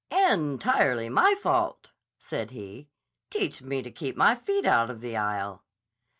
"Entirely my fault," said he. "Teach me to keep my feet out of the aisle."